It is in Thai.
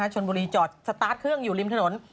ชนบุรีจอดสตาร์ทเครื่องอยู่ริมถนน